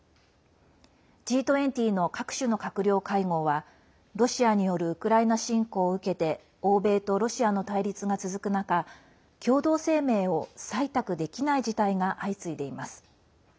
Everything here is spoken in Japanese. Ｇ２０の各種の閣僚会合はロシアによるウクライナ侵攻を受けて欧米とロシアの対立が続く中共同声明を採択できない事態が相次いでいます。